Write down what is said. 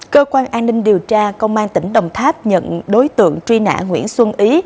cơ quan an ninh điều tra công an tỉnh đồng tháp nhận đối tượng truy nã nguyễn xuân ý